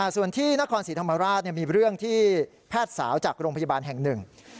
ส่วนที่นครศรีธรรมราชมีเรื่องที่แพทย์สาวจากโรงพยาบาลแห่งหนึ่ง